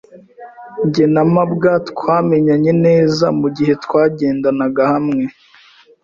Jye na mabwa twamenyanye neza mugihe twagendanaga hamwe.